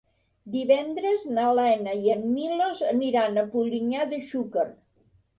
Divendres na Lena i en Milos aniran a Polinyà de Xúquer.